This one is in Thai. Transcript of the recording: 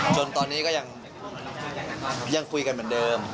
จนตอนนี้ก็ยังคุยกันเหมือนเดิม